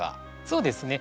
そうですね。